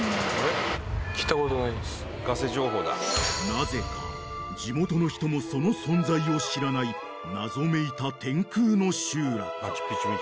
［なぜか地元の人もその存在を知らない謎めいた天空の集落］